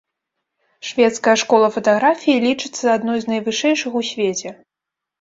Шведская школа фатаграфіі лічыцца адной з найвышэйшых у свеце.